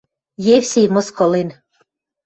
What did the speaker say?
Евсей мыскылен.